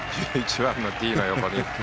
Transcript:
１１番のティーの横に。